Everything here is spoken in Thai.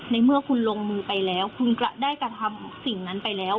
ในเมื่อคุณลงมือไปแล้วคุณได้กระทำสิ่งนั้นไปแล้ว